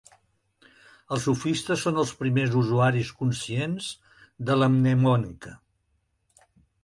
Els sofistes són els primers usuaris conscients de la mnemònica.